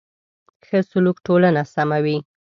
ښه سلوک ټولنه سموي.